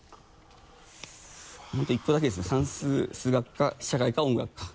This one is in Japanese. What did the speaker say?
本当１個だけですね算数・数学か社会か音楽か。